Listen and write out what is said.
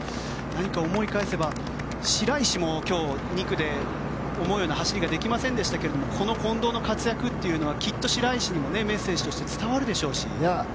何か思い返せば白石も今日２区で思うような走りができませんでしたがこの近藤の活躍はきっと白石にもメッセージとして伝わるでしょうし。